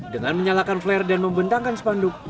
dengan menyalakan flare dan membentangkan sepanduk